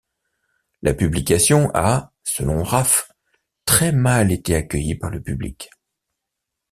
La publication a, selon Raf, très mal été accueillie par le public.